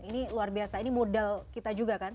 ini luar biasa ini modal kita juga kan